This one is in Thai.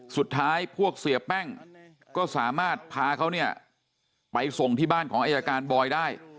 สุดท้ายพวกเสียแป้งก็สามารถพาเขาเนี่ยไปส่งที่บ้านของอายการบอยได้